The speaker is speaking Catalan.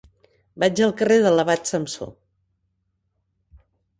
Vaig al carrer de l'Abat Samsó.